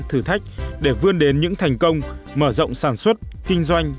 thử thách để vươn đến những thành công mở rộng sản xuất kinh doanh